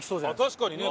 確かにね